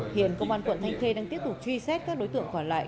hiện công an quận thanh khê đang tiếp tục truy xét các đối tượng còn lại